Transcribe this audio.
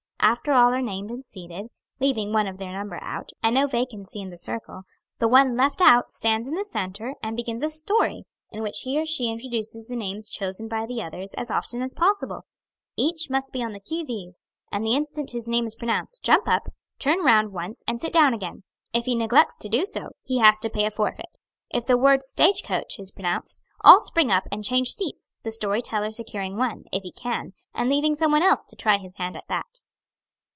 After all are named and seated leaving one of their number out, and no vacancy in the circle the one left out stands in the centre, and begins a story, in which he or she introduces the names chosen by the others as often as possible. Each must be on the qui vive, and the instant his name is pronounced, jump up, turn round once and sit down again. If he neglects to do so, he has to pay a forfeit. If the word stage coach is pronounced, all spring up and change seats; the story teller securing one, if he can and leaving some one else to try his hand at that."